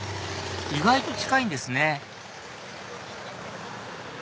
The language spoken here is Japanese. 意外と近いんですね